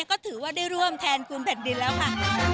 ก็ถือว่าได้ร่วมแทนคุณแผ่นดินแล้วค่ะ